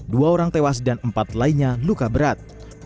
dua orang tewas dan empat lainnya luka berat